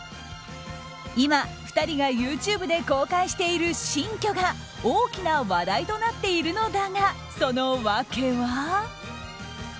今、２人がＹｏｕＴｕｂｅで公開している新居が大きな話題となっているのだがその訳は。